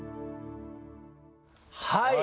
はい。